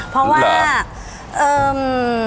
เพราะว่าเอิม